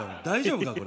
大丈夫か？